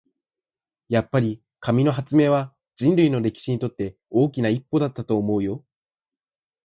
やっぱり、紙の発明は人類の歴史にとって大きな一歩だったと思うよ。